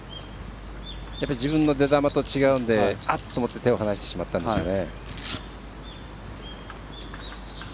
自分の出球と違うのであっと思って手を離してしまったんでしょうね。